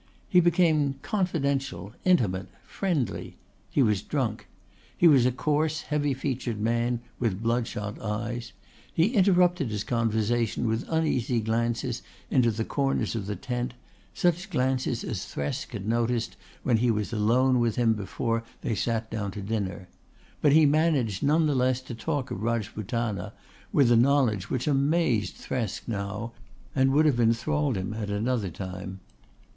He became confidential, intimate, friendly. He was drunk. He was a coarse heavy featured man with bloodshot eyes; he interrupted his conversation with uneasy glances into the corners of the tent, such glances as Thresk had noticed when he was alone with him before they sat down to dinner; but he managed none the less to talk of Rajputana with a knowledge which amazed Thresk now and would have enthralled him at another time.